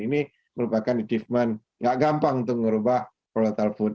ini merupakan achievement nggak gampang untuk mengubah volatile food